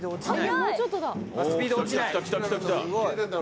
もうちょっとだ！